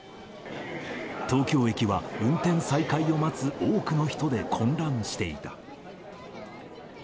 東京駅は、運転再開を待つ多くの人で混乱していた。